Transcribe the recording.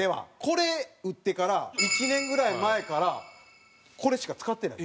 これ打ってから１年ぐらい前からこれしか使ってない。